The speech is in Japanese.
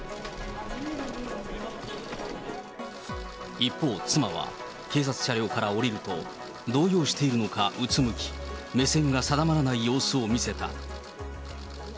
一方、妻は警察車両から降りると、動揺しているのか、うつむき、目線が定まらない様子を見せた。